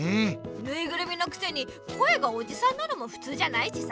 ぬいぐるみのくせに声がおじさんなのもふつうじゃないしさ。